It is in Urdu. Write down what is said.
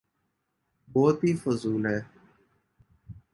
بہت ہی فضول ہے۔